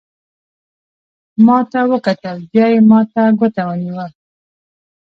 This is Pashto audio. ما ته وکتل، بیا یې ما ته ګوته ونیول.